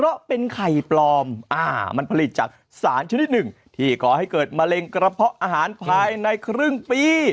เพราะเป็นไข่ปลอมมันผลิตจากสารชนิดหนึ่งที่ก่อให้เกิดมะเร็งกระเพาะอาหารภายในครึ่งปี